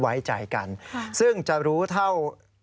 ไว้ใจกันซึ่งจะรู้เท่า